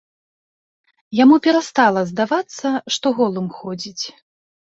Яму перастала здавацца, што голым ходзіць.